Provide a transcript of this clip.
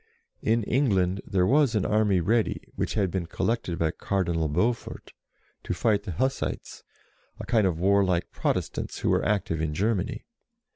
In England there was an army ready, which had been collected by Cardinal Beaufort, to fight the Hussites, a kind of warlike Protestants who were active in Germany.